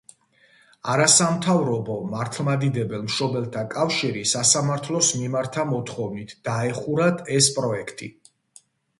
არასამთავრობო „მართლმადიდებელ მშობელთა კავშირი“ სასამართლოს მიმართა მოთხოვნით, დაეხურათ ეს პროექტი.